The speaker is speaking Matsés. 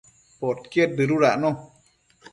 Podquied dëdudacno